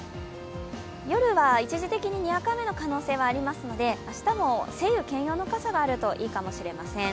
夜は一時的ににわか雨の可能性がありますので、明日も晴雨兼用の傘があるといいかもしれません。